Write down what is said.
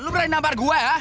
lu berani nampar gua ya